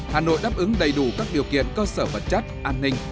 hà nội đáp ứng đầy đủ các điều kiện cơ sở vật chất an ninh